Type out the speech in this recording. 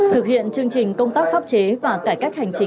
thực hiện chương trình công tác pháp chế và cải cách hành chính